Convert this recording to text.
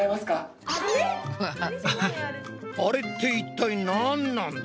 アレって一体なんなんだ？